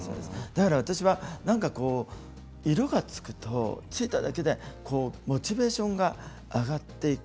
だから私は色がつくとついただけモチベーションが上がっていく。